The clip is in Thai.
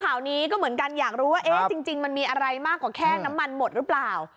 ข่าวนี้ก็เหมือนกันอยากรู้ว่าเอ๊ะจริงมันมีอะไรมากกว่าแค่น้ำมันหมดหรือเปล่า